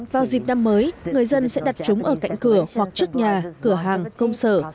vào dịp năm mới người dân sẽ đặt chúng ở cạnh cửa hoặc trước nhà cửa hàng công sở